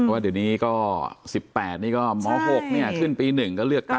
ว่าเดี๋ยวนี้ก็๑๘นี่ก็ม๖ขึ้นปี๑ก็เลือกตั้ง